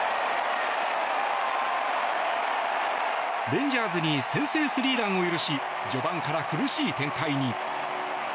レンジャーズに先制スリーランを許し序盤から苦しい展開に。